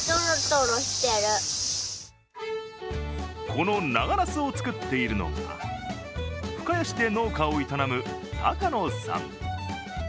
この長なすを作っているのが深谷市で農家を営む高野さん。